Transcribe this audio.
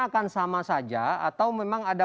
akan sama saja atau memang ada